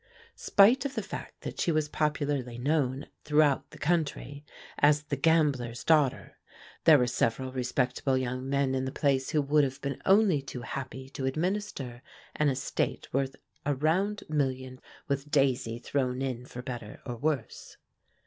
Spite of the fact that she was popularly known throughout the country as the "gambler's daughter," there were several respectable young men in the place who would have been only too happy to administer an estate worth a round million with Daisy thrown in for better or worse.